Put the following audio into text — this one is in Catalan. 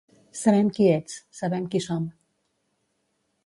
Sabem qui ets, sabem qui som.